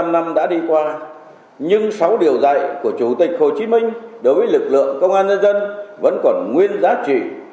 bảy mươi năm năm đã đi qua nhưng sáu điều dạy của chủ tịch hồ chí minh đối với lực lượng công an nhân dân vẫn còn nguyên giá trị